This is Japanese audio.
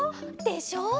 でしょ？